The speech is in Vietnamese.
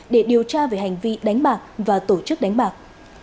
để điều tra về hành vi đánh bạc và tổ chức đánh bạc